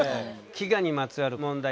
飢餓にまつわる問題